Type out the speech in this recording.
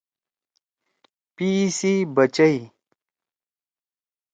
پیِڜ سی بچئی۔